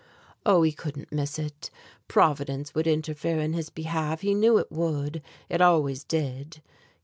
Oh! he couldn't miss it! Providence would interfere in his behalf, he knew it would, it always did.